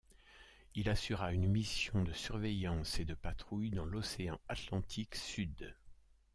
Il assura une mission de surveillance et de patrouille dans l'océan Atlantique Sud.